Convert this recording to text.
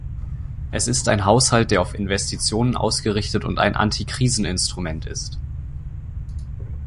Es ist ein Haushalt, der auf Investitionen ausgerichtet und ein Antikriseninstrument ist.